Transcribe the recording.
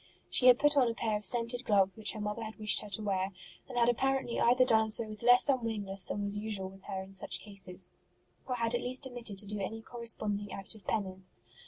She had put on a pair of scented gloves which her mother had wished her to wear, and had appar ently either done so with less unwillingness than was usual with her in such cases, or had at least omitted to do any corresponding act of penance.